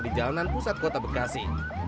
di jalanan pusat kota bekasi